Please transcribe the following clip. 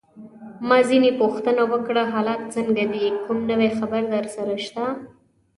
ما ځینې پوښتنه وکړه: حالات څنګه دي؟ کوم نوی خبر درسره شته؟